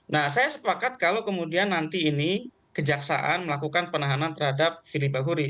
nah saya sepakat kalau kemudian nanti ini kejaksaan melakukan penahanan terhadap fili bahuri